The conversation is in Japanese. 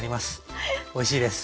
おいしいです。